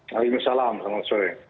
waalaikumsalam selamat sore